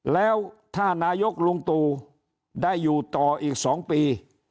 แล้วถ้านายกลุงตู่ได้อยู่ต่ออีก๒ปี